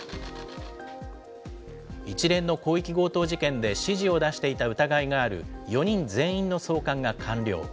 一連の広域強盗事件で指示を出していた疑いがある４人全員の送還が完了。